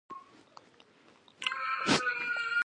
د شپې ستوري د کلي اسمان ښايسته کوي.